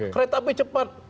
kereta api cepat